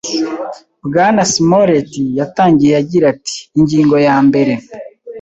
Bwana Smollett yatangiye agira ati: “Ingingo ya mbere.